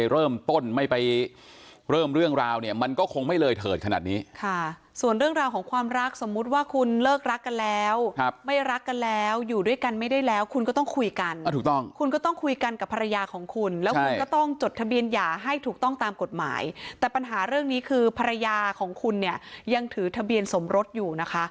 เริ่มต้นไม่ไปเริ่มเรื่องราวเนี่ยมันก็คงไม่เลยเถิดขนาดนี้ค่ะส่วนเรื่องราวของความรักสมมุติว่าคุณเลิกรักกันแล้วไม่รักกันแล้วอยู่ด้วยกันไม่ได้แล้วคุณก็ต้องคุยกันคุณก็ต้องคุยกันกับภรรยาของคุณแล้วคุณก็ต้องจดทะเบียนหย่าให้ถูกต้องตามกฎหมายแต่ปัญหาเรื่องนี้คือภรรยาของคุณเนี่ยยังถือทะเบียนสมรสอยู่นะคะ